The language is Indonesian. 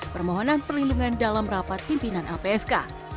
permohonan perlindungan dalam rapat pimpinan lpsk